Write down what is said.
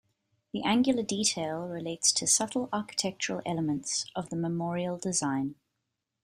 The angular detail relates to subtle architectural elements of the memorial design.